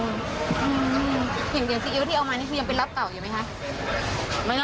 อย่างซีอิ๊วที่เอามานี่คือยังเป็นรับเต่าอยู่ไหมคะ